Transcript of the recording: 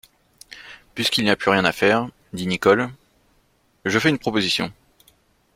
Puisqu’il n’y a rien à faire, dit Nicholl, je fais une proposition.